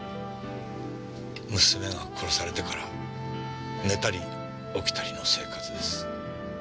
娘が殺されてから寝たり起きたりの生活です。